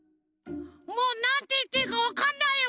もうなんていっていいかわかんないよ！